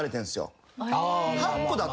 ８個だと。